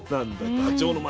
ダチョウの町。